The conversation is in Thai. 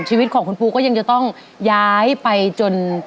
ชีวิตของคุณปูก็ยังจะต้องย้ายไปจน